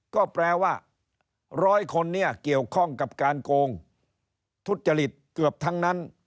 ก็แปลว่า๑๐๐คนเนี่ยเกี่ยวข้องกับการโกงทุจริตเกือบทั้งนั้น